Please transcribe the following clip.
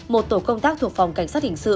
một tổ công tác thuộc phòng cảnh sát hình sự